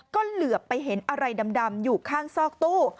ก็เหลือไปเห็นอะไรดำอยู่ข้างซอกตู้